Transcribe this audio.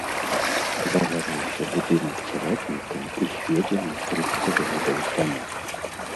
Загарэўся будынак цялятніка, узведзены трыццаць гадоў таму.